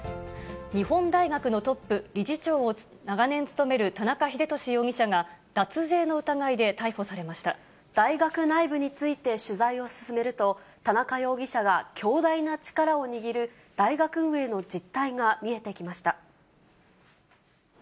日本大学のトップ、理事長を長年務める田中英壽容疑者が、大学内部について取材を進めると、田中容疑者が強大な力を握る大学運営の実態が見えてきました。